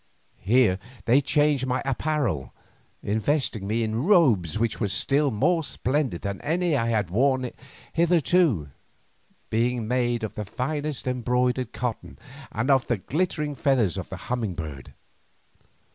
Here they changed my apparel, investing me in robes which were still more splendid than any that I had worn hitherto, being made of the finest embroidered cotton and of the glittering feathers of the humming bird.